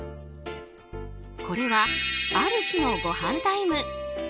これはある日のごはんタイム。